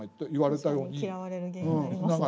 確かに嫌われる原因になりますね。